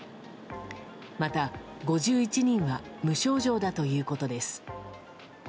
また、５１人は無症状だということです。